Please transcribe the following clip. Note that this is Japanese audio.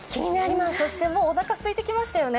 そしてもう、おなかがすいてきましたよね。